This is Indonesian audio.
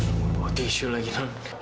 bapak kondisi lagi kan